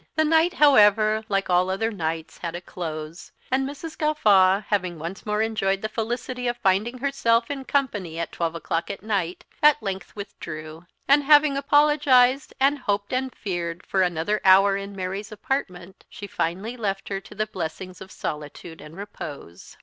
The night, however, like all other nights, had a close; and Mrs. Gawffaw, having once more enjoyed the felicity of finding herself in company at twelve o'clock at night, at length withdraw; and having apologised, and hoped, and feared, for another hour in Mary's apartment, she finally left her to the blessings of solitude and repose.